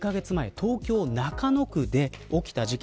東京、中野区で起きた事件。